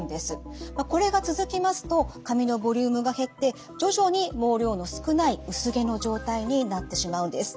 これが続きますと髪のボリュームが減って徐々に毛量の少ない薄毛の状態になってしまうんです。